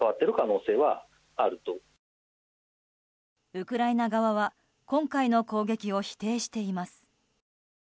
ウクライナ側は今回の攻撃を否定しています。